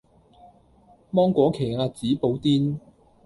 芒果奇亞籽布甸